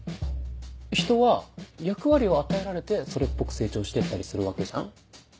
人は役割を与えられてそれっぽく成長していったりするわけじゃん？